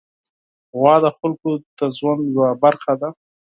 غوا د خلکو د ژوند یوه برخه ده.